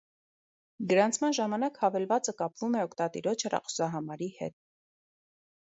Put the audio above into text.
Գրանցման ժամանակ հավելվածը կապվում է օգտատիրոջ հեռախոսահամարի հետ։